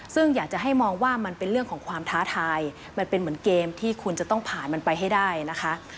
ซึ่งอยากจะให้มองว่ามันเป็นเรื่องของความท้าทายมันเป็นเหมือนเกมที่คุณจะต้องผ่านมันไปให้ได้นะคะ